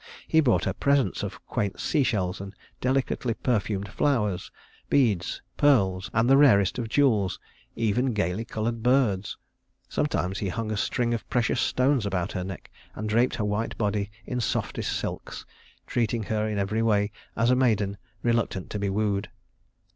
He brought her presents of quaint seashells and delicately perfumed flowers, beads, pearls, and the rarest of jewels, and even gayly colored birds. Sometimes he hung a string of precious stones about her neck, and draped her white body in softest silks, treating her in every way as a maiden reluctant to be wooed.